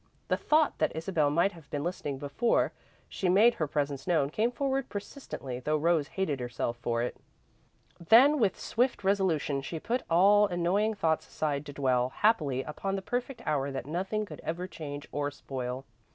The thought that Isabel might have been listening before she made her presence known came forward persistently, though Rose hated herself for it. Then, with swift resolution, she put all annoying thoughts aside to dwell, happily, upon the perfect hour that nothing could ever change or spoil.